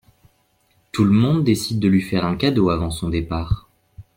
Tout le monde décide de lui faire un cadeau avant son départ.